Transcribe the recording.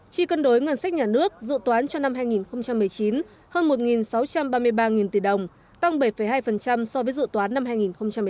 chi cân đối ngân sách nhà nước dự toán cho năm hai nghìn một mươi chín hơn một sáu trăm ba mươi ba tỷ đồng tăng bảy hai so với dự toán năm hai nghìn một mươi chín